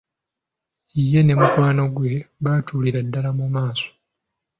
Ye ne mukwano gwe batuulira ddala mu maaso.